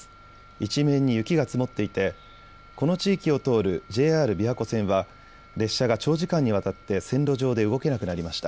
一面に雪が積もっていてこの地域を通るＪＲ琵琶湖線は列車が長時間にわたって線路上で動けなくなりました。